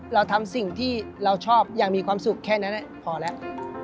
เราทำสิ่งที่เราชอบอย่างมีความสุขแค่นั้นพอแล้ว